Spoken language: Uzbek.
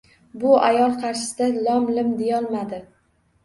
Bu ayol qarshisida lom-mim deyolmadi.